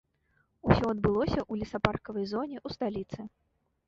Усё адбылося ў лесапаркавай зоне ў сталіцы.